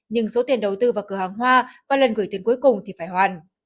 nhưng số tiền đầu tư vào cửa hàng hoa và lần gửi tiền cuối cùng thì phải hoàn